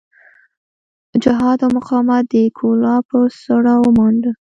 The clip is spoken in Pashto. جهاد او مقاومت د کولاب په سوړه ومانډه.